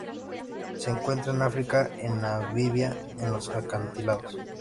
Se encuentra en África en Namibia en los acantilados.